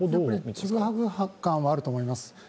ちぐはぐ感はあると思います。